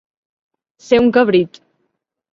Ser un cabrit.